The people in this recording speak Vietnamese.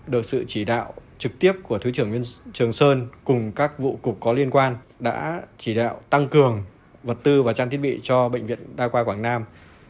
được sự chỉ đạo trực tiếp của thứ trưởng trường sơn cùng các vụ cục có liên quan đã chỉ đạo tăng cường vật tư và trang thiết bị cho bệnh viện đa khoa quảng nam